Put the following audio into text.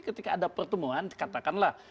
ketika ada pertemuan katakanlah